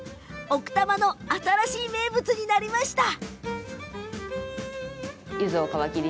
奥多摩の新しい名物になりました。